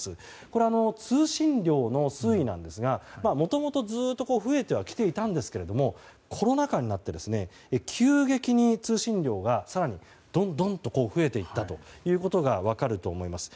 これは通信量の推移なんですがもともとずっと増えてはきていたんですけれどもコロナ禍になって急激に通信量がどんどんと増えていったということが分かると思います。